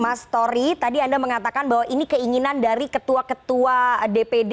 mas tori tadi anda mengatakan bahwa ini keinginan dari ketua ketua dpd